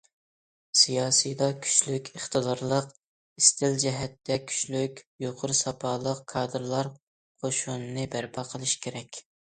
سىياسىيدا كۈچلۈك، ئىقتىدارلىق، ئىستىل جەھەتتە كۈچلۈك، يۇقىرى ساپالىق كادىرلار قوشۇنىنى بەرپا قىلىش كېرەك.